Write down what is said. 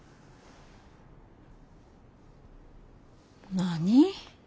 何？